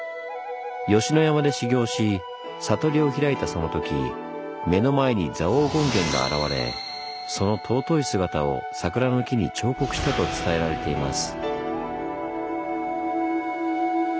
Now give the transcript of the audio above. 吉野山で修行し悟りを開いたそのとき目の前に蔵王権現が現れその尊い姿を桜の木に彫刻したと伝えられています。